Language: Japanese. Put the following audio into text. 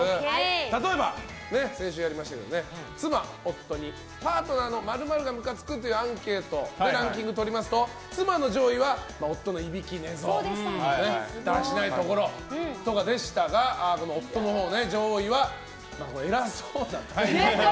例えば、先週やりましたけど妻・夫にパートナーの○○がムカつくというアンケートでランキングとりますと妻の上位は夫のいびき、寝相だらしないところとかでしたが夫のほうの上位は偉そうな態度と。